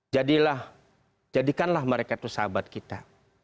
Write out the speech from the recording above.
jadilah jadikanlah mereka itu sahabat kita